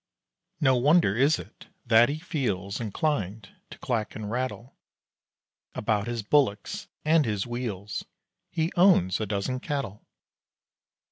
No wonder is it that he feels Inclined to clack and rattle About his bullocks and his wheels He owns a dozen cattle.